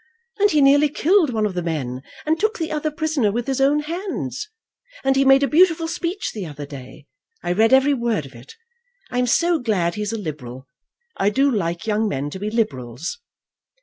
And he nearly killed one of the men, and took the other prisoner with his own hands. And he made a beautiful speech the other day. I read every word of it. I am so glad he's a Liberal. I do like young men to be Liberals."